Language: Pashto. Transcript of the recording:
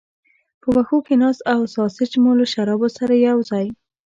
په وښو کې ناست او ساسیج مو له شرابو سره یو ځای.